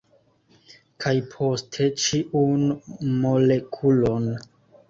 Kaj poste ĉiun molekulon.